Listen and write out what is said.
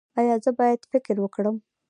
ایا زه باید فکر وکړم؟